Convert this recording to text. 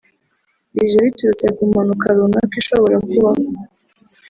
bije biturutse ku mpanuka runaka ishobora kubaho